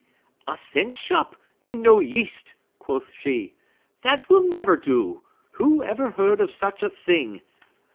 "A cent shop, and no yeast!" quoth she; "That will never do! Who ever heard of such a thing?